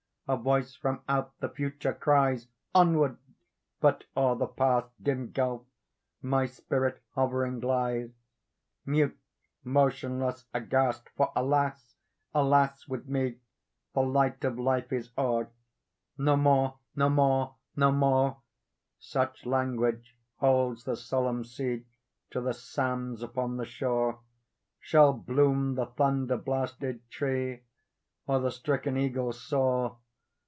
A voice from out the Future cries, "Onward!"—but o'er the Past (Dim gulf!) my spirit hovering lies, Mute—motionless—aghast! For alas! alas! with me The light of life is o'er. "No more—no more—no more," (Such language holds the solemn sea To the sands upon the shore,) Shall bloom the thunder blasted tree, Or the stricken eagle soar!